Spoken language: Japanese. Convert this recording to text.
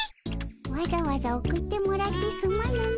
わざわざ送ってもらってすまぬの。